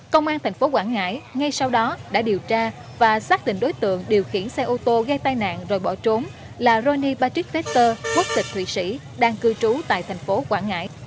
công an thành phố quảng ngãi ngay sau đó đã điều tra và xác định đối tượng điều khiển xe ô tô gây tai nạn rồi bỏ trốn là roni patricketter quốc tịch thụy sĩ đang cư trú tại thành phố quảng ngãi